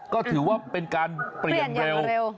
ก็ถือว่าเป็นการเปลี่ยนเร็วเปลี่ยนยังเร็ว